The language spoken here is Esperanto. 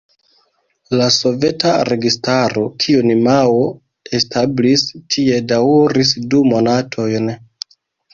La Soveta registaro kiun Mao establis tie daŭris du monatojn.